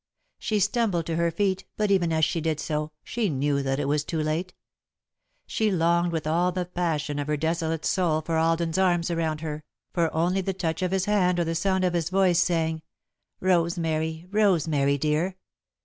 She stumbled to her feet, but, even as she did so, she knew that it was too late. She longed with all the passion of her desolate soul for Alden's arms around her, for only the touch of his hand or the sound of his voice, saying: "Rosemary! Rosemary dear!"